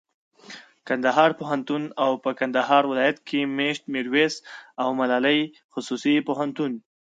کندهار پوهنتون او په کندهار ولایت کښي مېشت میرویس او ملالي خصوصي پوهنتون